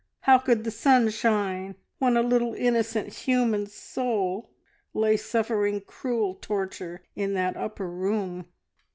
How could the sun shine when a little innocent human soul lay suffering cruel torture in that upper room?